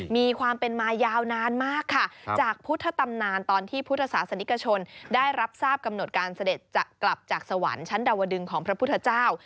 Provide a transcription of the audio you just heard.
มีความเป็นมายาวนานมากค่ะจากพุทธตำนานตอนที่พุทธศาสนิกชนได้รับทราบกำหนดการเสด็จจะกลับจากสวรรค์ชั้นดาวดึงของพระพุทธเจ้า